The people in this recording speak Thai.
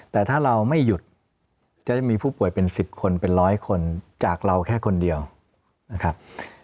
แต่ถ้าเราไม่หยุดจะได้มีผู้ป่วยเป็น๑๐คนเป็นร้อยคนจากเราแค่คนเดียวนะครับ